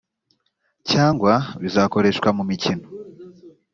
cyangwa bizakoreshwa mu mikino